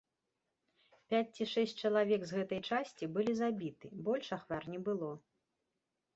Пяць ці шэсць чалавек з гэтай часці былі забіты, больш ахвяр не было.